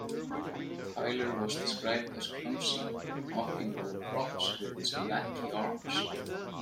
Tyler was described as clumsy, knocking over props with his "lanky arms".